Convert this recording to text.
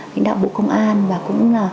đảng bộ công an và cũng là